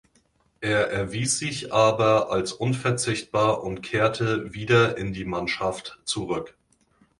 Er erwies sich aber als unverzichtbar und kehrte wieder in die Mannschaft zurück.